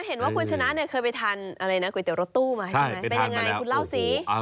เห็นว่าคุณชนะเคยไปทานก๋วยเตี๋ยวรดตู้มาใช่ไหมวะเป็นอย่างไรคุณเล่าสิใช่ไปทานมาละ